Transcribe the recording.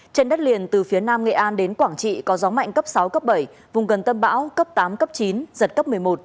trên đất liền từ phía nam nghệ an đến quảng trị có gió mạnh cấp sáu cấp bảy vùng gần tâm bão cấp tám cấp chín giật cấp một mươi một